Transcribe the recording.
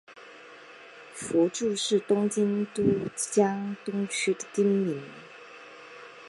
福住是东京都江东区的町名。